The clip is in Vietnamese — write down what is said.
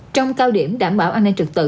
trong cao điểm đảm bảo an ninh trực tự